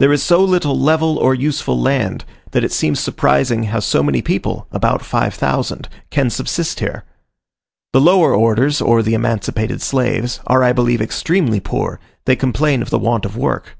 There is so little level or useful land, that it seems surprising how so many people, about 5000, can subsist here. The lower orders, or the emancipated slaves, are I believe extremely poor: they complain of the want of work.